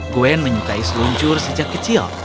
gwen menyukai seluncur sejak kecil